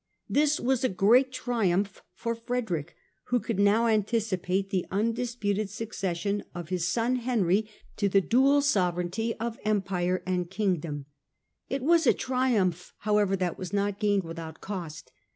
This was a great triumph for Frederick, who could now anticipate the undisputed succession of his son Henry to 52 STUPOR MUNDI the dual sovereignty of Empire and Kingdom. It was a triumph, however, that was not gained without cost.